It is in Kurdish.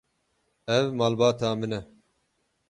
Ev malbata min e.